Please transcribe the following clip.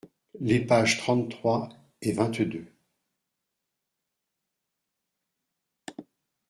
Les pages trente-trois et vingt-deux.